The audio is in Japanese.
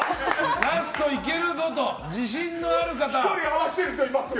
ラストいけるぞと自信のある方？